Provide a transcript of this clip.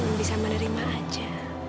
kita cuma bisa menerima aja